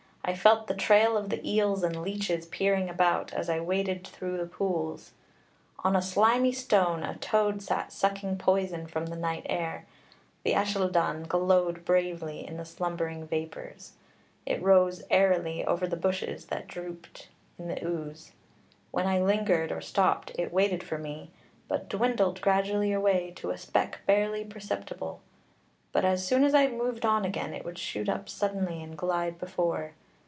I felt the trail of the eels and leeches peering about, as I waded through the pools. On a slimy stone a toad sat sucking poison from the night air. The Ellylldan glowed bravely in the slumbering vapours. It rose airily over the bushes that drooped in the ooze. When I lingered or stopped, it waited for me, but dwindled gradually away to a speck barely perceptible. But as soon as I moved on again, it would shoot up suddenly and glide before.